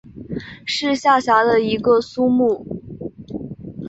是下辖的一个苏木。